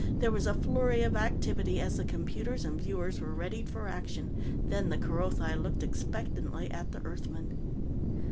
There was a flurry of activity as the computers and viewers were readied for action, then the Kerothi looked expectantly at the Earthman.